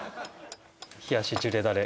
冷やしジュレダレ